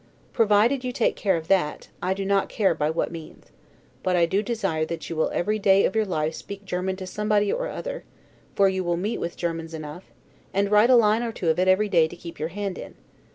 Provided you take care of that, I do not care by what means: but I do desire that you will every day of your life speak German to somebody or other (for you will meet with Germans enough), and write a line or two of it every day to keep your hand in.